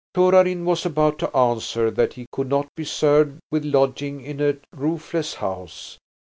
Torarin was about to answer that he could not be served with lodging in a roofless house.